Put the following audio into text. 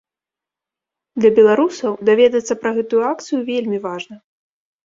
Для беларусаў даведацца пра гэтую акцыю вельмі важна.